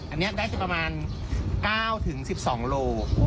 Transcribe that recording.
อันนี้ได้ประมาณ๙๑๒โล